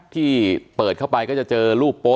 ที่เปิดเข้าไปก็จะเจอรูปโป๊